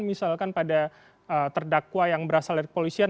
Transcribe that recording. misalkan pada terdakwa yang berasal dari polisian